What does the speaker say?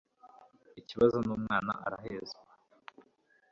ikibazo n umwana arahezwa